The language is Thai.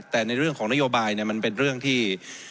แต่ในเรื่องของนโยบายมันเป็นเรื่องที่